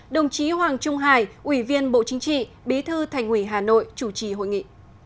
đồng chí hoàng trung hải ủy viên bộ chính trị bí thư thành ủy hà nội chủ trì hội nghị